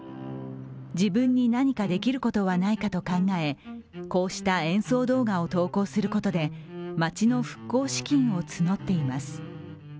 自分に何かできることはないかと考えこうした演奏動画を投稿することで街の復興資金を募っています。